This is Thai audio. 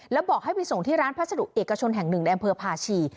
แล้วบอกให้ไปส่งที่ร้านพัสดุเอกชนแห่ง๑แดนบภาชี